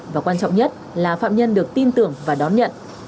và quan trọng nhất là phạm nhân được tin tưởng và đón nhận